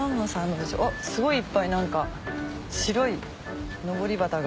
すごいいっぱい何か白いのぼり旗が。